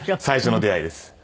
最初の出会いです。